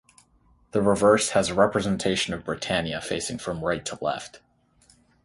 The reverse has a representation of Britannia facing from right to left.